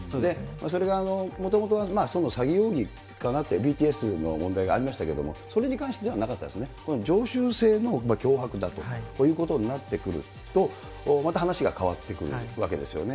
それがもともとはその詐欺容疑かなと、ＢＴＳの問題がありましたけれども、それに関してではなかったですね、常習性の脅迫だということになってくると、また話が変わってくるわけですよね。